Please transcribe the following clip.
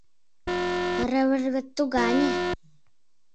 Рывыж вет тугане.